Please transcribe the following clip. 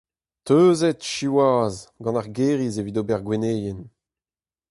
Teuzet, siwazh ! gant ar gêriz evit ober gwenneien !